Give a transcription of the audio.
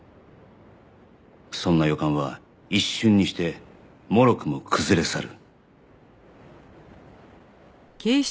そんな予感は一瞬にしてもろくも崩れ去る